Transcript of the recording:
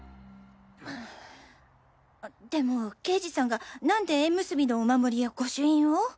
でも刑事さんがなんで縁結びのお守りや御朱印を？